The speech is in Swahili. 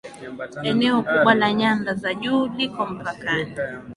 Eneo kubwa la nyanda za juu liko mpakani